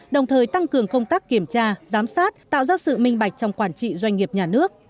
đồng thời tăng cường công tác kiểm tra giám sát tạo ra sự minh bạch trong quản trị doanh nghiệp nhà nước